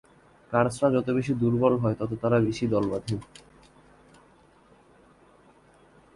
কার্সরা যত বেশি দুর্বল হয়, তত তারা বেশি দল বাঁধে।